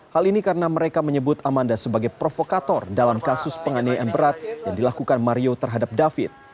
hal ini karena mereka menyebut amanda sebagai provokator dalam kasus penganiayaan berat yang dilakukan mario terhadap david